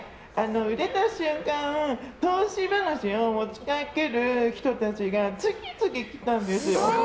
売れた瞬間投資話を持ち掛ける人たちが次々来たんですよ。